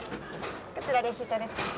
こちらレシートです。